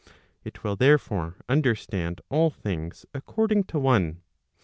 It will therefore understand all things according to one.